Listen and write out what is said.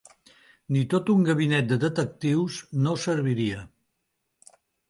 Ni tot un gabinet de detectius, no serviria.